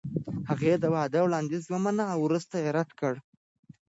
هغې د واده وړاندیز ومانه او وروسته یې رد کړ.